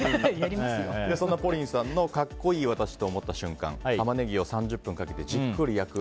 そんなＰＯＲＩＮさんの格好いい私と思った瞬間タマネギを３０分かけてじっくり焼く。